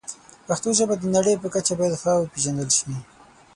پښتو ژبه د نړۍ په کچه باید ښه وپیژندل شي.